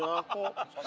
keras gulu keras kepala